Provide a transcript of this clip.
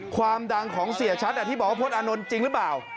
ความดังของเสียชัดที่บอกว่าพลตอานนท์จริงหรือเปล่า